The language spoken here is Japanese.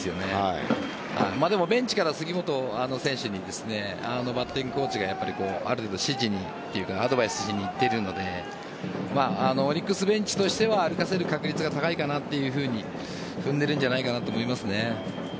でもベンチから杉本選手にバッティングコーチがある程度アドバイスをしに行っているのでオリックスベンチとしては歩かせる確率が高いかなと踏んでいるんじゃないかなと思います。